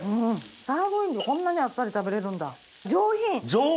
サーロインでこんなにあっさり食べれるんだ上品！